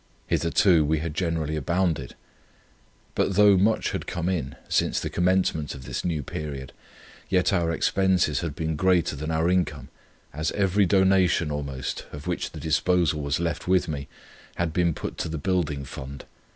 Hitherto we had generally abounded. But though much had come in, since the commencement of this new period, yet our expenses had been greater than our income, as every donation almost of which the disposal was left with me, had been put to the Building Fund.